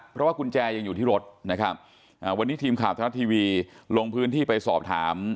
เพราะว่ากุญแจยังอยู่ที่รถนะครับวันนี้ทีมข่าวไทยรัฐทีวีลงพื้นที่ไปสอบถาม